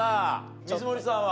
水森さんは？